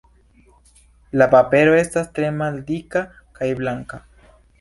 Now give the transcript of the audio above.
La papero estas tre maldika kaj blanka.